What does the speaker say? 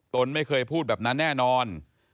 นไม่เคยพูดแบบนั้นแน่นอน